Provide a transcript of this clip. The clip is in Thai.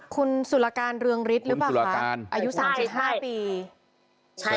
คุณสุรการเรืองฤทธิ์หรือเปล่าค่ะคุณสุรการอายุสามสิบห้าปีใช่ค่ะ